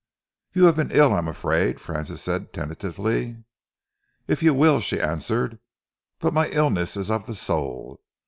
"You have been ill, I am afraid?" Francis said tentatively. "If you will," she answered, "but my illness is of the soul.